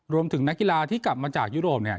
รวมถึงนักกีฬาที่กลับมาจากยุโรปเนี่ย